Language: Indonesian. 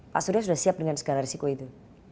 pak surya sudah siap dengan segala risiko itu